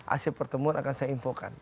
hasil pertemuan akan saya infokan